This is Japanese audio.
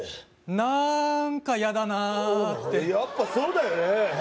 なんかやだなってやっぱそうだよね